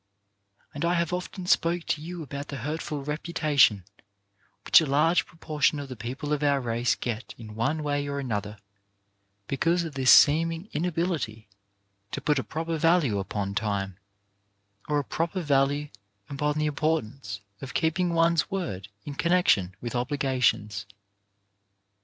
I have often spoken to you about the hurtful reputation which a large proportion of the people of our race get in one way or another because of this seeming inability to put a proper value upon time, or a proper value upon the importance of keeping one's word in connection with obligations.